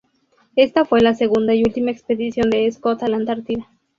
Esta fue la segunda y última expedición de Scott a la Antártida.